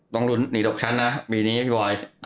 ต้องรู้หนีดอกชั้นนะมีนี้ยังไงพี่บอย